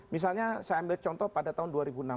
misalnya saya ambil contoh pada tahun dua ribu enam belas